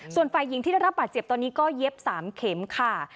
ส่วนฝ่ายหญิงที่ได้รับบาดเจ็บตอนนี้ก็เย็บ๓เข็มค่ะ